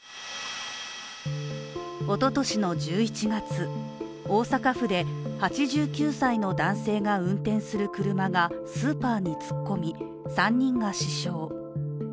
おととしの１１月、大阪府で８９歳の男性が運転する車がスーパーに突っ込み、３人が死傷。